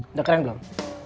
sudah keren belum